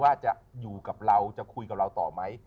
ว่าจะอยู่กับเราจะคุยกับเราต่อไหม